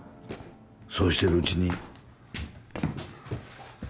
そうしてるうちに。